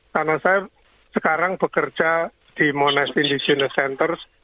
karena saya sekarang bekerja di monest indigenes center